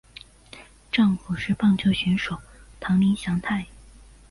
丈夫是棒球选手堂林翔太。